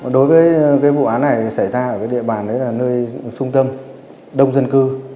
đối với vụ án này xảy ra ở địa bàn nơi xung tâm đông dân cư